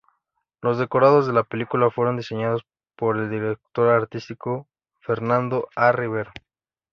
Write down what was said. Los decorados de la película fueron diseñados por el director artístico Fernando A. Rivero.